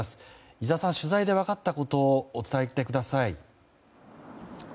井澤さん、取材で分かったことを伝えてください。